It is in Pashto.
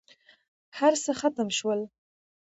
هرڅه ختم شول.